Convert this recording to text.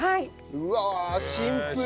うわシンプル！